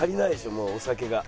もうお酒が。